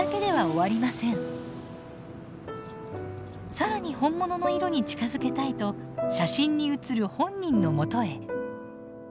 更に本物の色に近づけたいと写真に写る本人のもとへ。